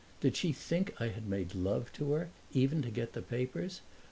Did she think I had made love to her, even to get the papers?